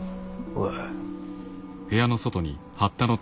おい。